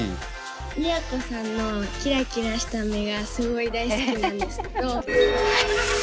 都さんのキラキラした目がすごい大好きなんですけど。